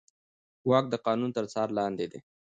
واک د قانون تر څار لاندې دی.